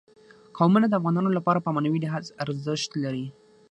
قومونه د افغانانو لپاره په معنوي لحاظ ارزښت لري.